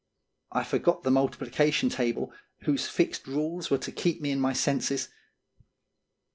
I forgot the multiplication table, whose fixed rules were to keep me in my senses.